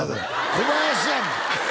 小林やん！